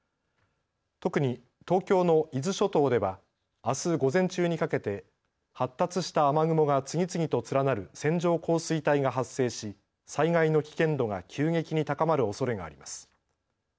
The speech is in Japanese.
特に東京の伊豆諸島ではあす午前中にかけて発達した雨雲が次々と連なる線状降水帯が発生し災害の危険度が急激に高まるおそれがあります。